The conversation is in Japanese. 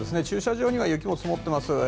駐車場には雪も積もっています。